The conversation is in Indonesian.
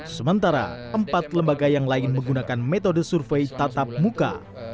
sementara empat lembaga yang lain menggunakan metode survei tatap muka